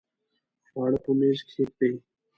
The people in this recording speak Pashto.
خواړه په میز کښېږدئ